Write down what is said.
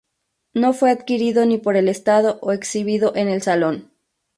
No fue adquirido ni por el Estado o exhibido en el Salon.